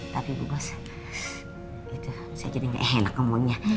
tapi bu bos saya jadi gak enak ngomongnya